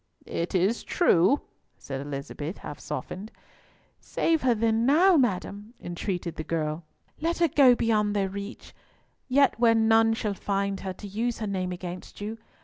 "It is true," said Elizabeth, half softened. "Save her then now, madam," entreated the girl. "Let her go beyond their reach, yet where none shall find her to use her name against you.